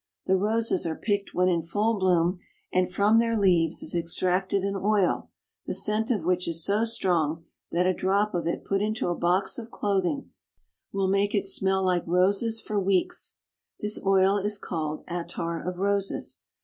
The roses are picked when in full bloom, and from their leaves is extracted an oil, the scent of which is so strong that a drop of it put into a box of clothing will make it smell like roses for weeks. This oil is called attar of roses.